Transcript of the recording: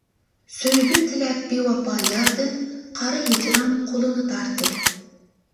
سۆيگۈ تىلەپ بىۋاپا ياردىن، قارا ھىجران قولىنى تارتىپ.